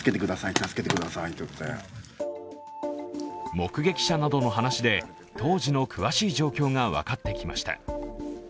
目撃者などの話で、当時の詳しい状況が分かってきました。